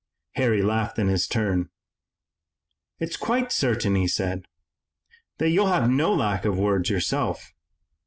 Harry laughed in his turn. "It's quite certain," he said, "that you'll have no lack of words yourself.